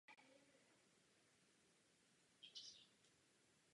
Tolerance nestačí.